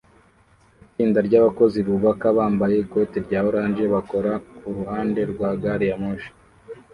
Itsinda ryabakozi bubaka bambaye ikoti rya orange bakora kuruhande rwa gari ya moshi